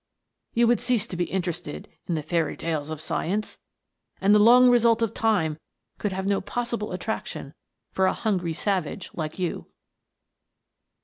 You would cease to be interested in ' The Fairy Tales of Science,' and 'the long result of time' could have no possible attraction for a hungry savage like you.